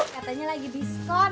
katanya lagi diskon